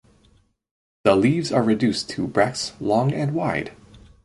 The leaves are reduced to bracts long and wide.